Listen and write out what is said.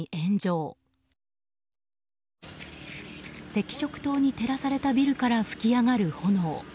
赤色灯に照らされたビルから噴き上がる炎。